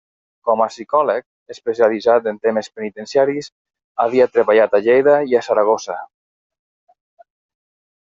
Com a psicòleg especialitzat en temes penitenciaris havia treballat a Lleida i a Saragossa.